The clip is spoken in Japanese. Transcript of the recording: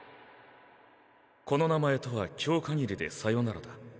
この名前とは今日限りでさよならだ。